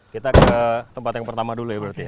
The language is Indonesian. kita ke tempat yang pertama dulu ya berarti ya